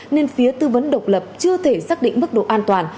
nên phía tư vấn độc lập chưa thể xác định mức độ an toàn